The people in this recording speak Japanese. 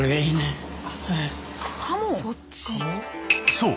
そう。